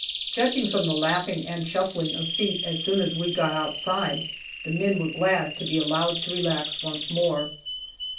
Judging from the laughing and shuffling of feet as soon as we got outside, the men were glad to be allowed to relax once more.